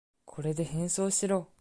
これで変装しろ。